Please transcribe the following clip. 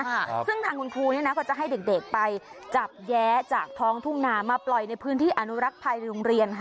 ครับซึ่งทางคุณครูเนี้ยนะก็จะให้เด็กเด็กไปจับแย้จากท้องทุ่งนามาปล่อยในพื้นที่อนุรักษ์ภายในโรงเรียนค่ะ